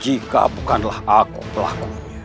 jika bukanlah aku pelakunya